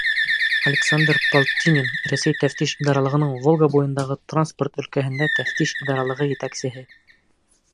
Александр ПОЛТИНИН, Рәсәй Тәфтиш идаралығының Волга буйындағы транспорт өлкәһендә тәфтиш идаралығы етәксеһе: